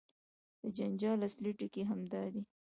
د جنجال اصلي ټکی همدا دی.